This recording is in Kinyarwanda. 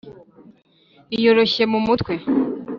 iyoroshye mu mutwe